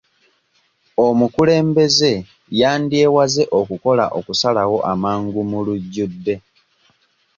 Omukulembeze yandyewaze okukola okusalawo amangu mu lujjudde.